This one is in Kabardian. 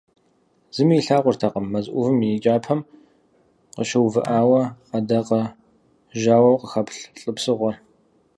Зыми илъагъуртэкъым мэз ӏувым и кӏапэм къыщыувыӏауэ ӏэдакъэжьауэу къыхэплъ лӏы псыгъуэр.